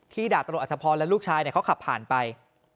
ที่ดาตนอรธพรและลูกชายเขาขับผ่านไป